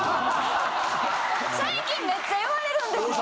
最近めっちゃ言われるんですよ。